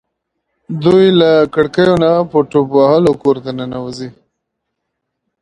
دوی له کړکیو نه په ټوپ وهلو کور ته ننوځي.